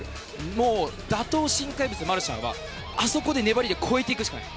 もう打倒・新怪物マルシャンはあそこの粘りで超えていくしかない。